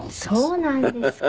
そうなんですか。